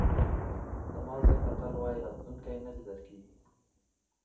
د مازی متل وایي راتلونکی نه لیدل کېږي.